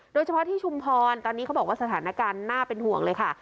โดยเฉพาะที่ชุมพรตอนนี้เขาบอกว่าสถานการณ์น่าเป็นห่วงเลยค่ะ